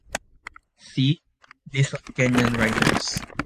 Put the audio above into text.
"See: List of Kenyan writers"